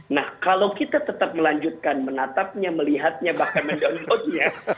nah kalau kita tetap melanjutkan menatapnya melihatnya bahkan mendownloadnya